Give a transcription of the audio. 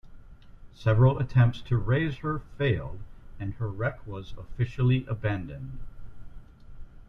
Several attempts to raise her failed and her wreck was officially abandoned.